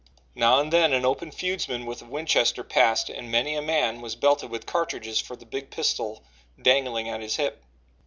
Now and then, an open feudsman with a Winchester passed and many a man was belted with cartridges for the big pistol dangling at his hip.